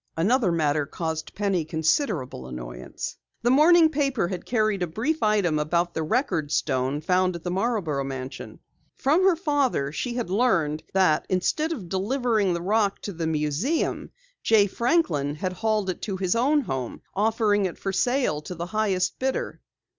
Another matter caused Penny considerable annoyance. The morning paper had carried a brief item about the record stone found at the Marborough mansion. From her father she had learned that instead of delivering the rock to the museum, Jay Franklin had hauled it to his own home, offering it for sale to the highest bidder.